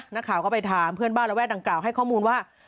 นักข่าวก็ไปถามเพื่อนบ้านระแวกดังกล่าวให้ข้อมูลว่า